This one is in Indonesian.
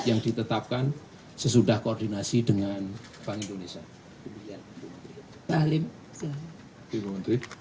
yang ditetapkan sesudah koordinasi dengan bank indonesia